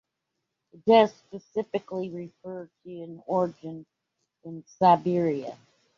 It does specifically refer to an origin in Siberia.